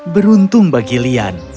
beruntung bagi lian